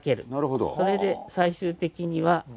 それで最終的には。